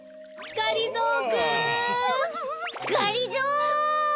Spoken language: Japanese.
がりぞー！